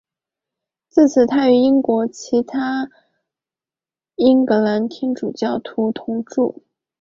自此他与其他英格兰天主教徒同住。